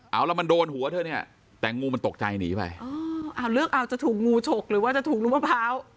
เอาแล้วมันโดนหัวเธอเนี่ยแต่งูมันตกใจหนีไปอ๋อเอาเลือกเอาจะถูกงูฉกหรือว่าจะถูกลูกมะพร้าว